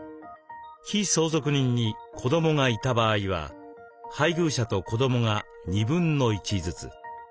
被相続人に子どもがいた場合は配偶者と子どもが1/2ずつ。